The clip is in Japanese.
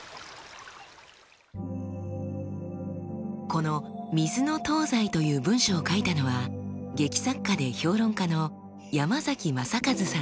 この「水の東西」という文章を書いたのは劇作家で評論家の山崎正和さんです。